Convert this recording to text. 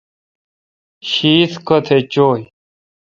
شیت کوتھ چویں ۔